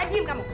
ah diam kamu